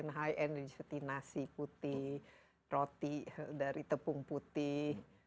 yang high energy seperti nasi putih roti dari tepung putih